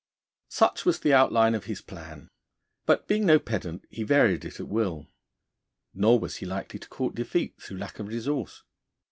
Such was the outline of his plan; but, being no pedant, he varied it at will: nor was he likely to court defeat through lack of resource.